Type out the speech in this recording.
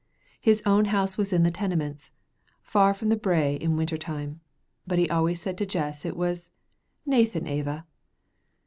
His own house was in the Tenements, far from the brae in winter time, but he always said to Jess it was "naething ava."